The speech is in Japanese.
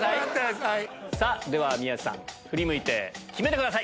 さぁでは宮治さん振り向いて決めてください。